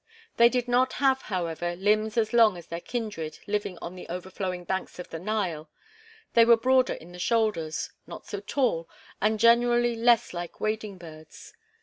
They did not have, however, limbs as long as their kindred living on the overflowing banks of the Nile; they were broader in the shoulders, not so tall, and generally less like wading birds.